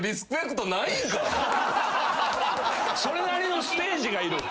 それなりのステージがいる。